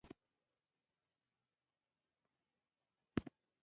د سبو ډکې هرکارې ته کیناست، عثمان جان باچا اه نه ویست.